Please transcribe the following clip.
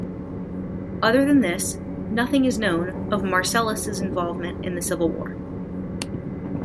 Other than this, nothing is known of Marcellus' involvement in the Civil War.